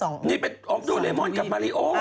นี่เป็นออกโดเรมอนกับมาริโอ